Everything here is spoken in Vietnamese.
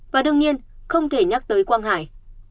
và đương nhiên không thể nhắc tới quang hải